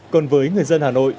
còn với người dân hà nội